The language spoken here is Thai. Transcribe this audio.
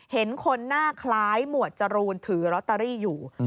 เห็นคนหน้าคล้ายหมวดจรูนถือลอตเตอรี่อยู่